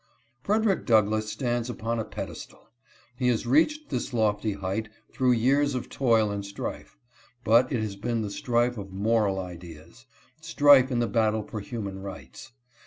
Frederick Douglass stands upon a pedestal ; he has reached this lofty height through years of toil and strife, but it has been the strife of moral ideas; strife in the battle for human rights.